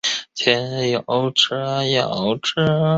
和政郡主夭折。